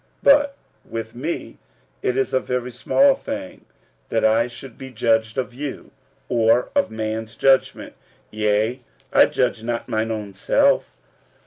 46:004:003 But with me it is a very small thing that I should be judged of you, or of man's judgment: yea, I judge not mine own self.